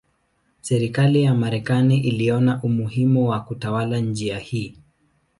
Serikali ya Marekani iliona umuhimu wa kutawala njia hii.